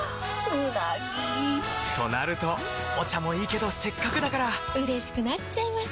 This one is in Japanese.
うなぎ！となるとお茶もいいけどせっかくだからうれしくなっちゃいますか！